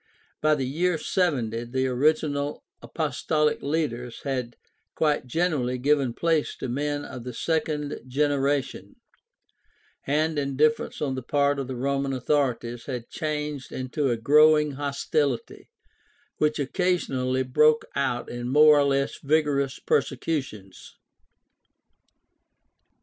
By the year 70 the original apostolic leaders had quite generally given place to men of the second genera tion, and indifference on the part of the Roman authorities had changed into a growing hostility which occasionally broke out in more or less vigorous persecutions.